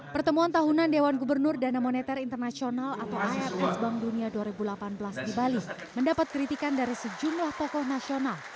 pertemuan tahunan dewan gubernur dana moneter internasional atau if world bank dunia dua ribu delapan belas di bali mendapat kritikan dari sejumlah tokoh nasional